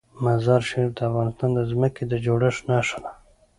مزارشریف د افغانستان د ځمکې د جوړښت نښه ده.